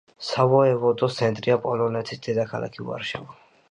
სავოევოდოს ცენტრია პოლონეთის დედაქალაქი ვარშავა.